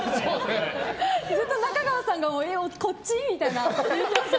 ずっと中川さんがこっち？みたいな言ってました。